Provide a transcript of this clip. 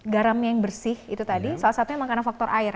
garamnya yang bersih itu tadi salah satunya memang karena faktor air